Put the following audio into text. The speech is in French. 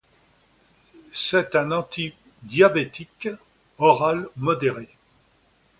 C'est un antidiabétique oral modéré.